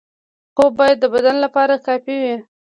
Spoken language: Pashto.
خواب باید د بدن لپاره کافي وي.